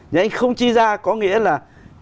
nhưng anh không chi ra có nghĩa là